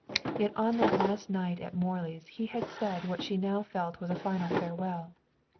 Yet on that last night at Morley's he had said what she now felt was a final farewell.